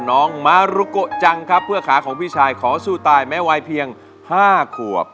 น้องมารุโกะจังครับเพื่อขาของพี่ชายขอสู้ตายแม้วัยเพียง๕ขวบ